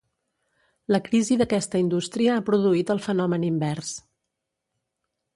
La crisi d'aquesta indústria ha produït el fenomen invers.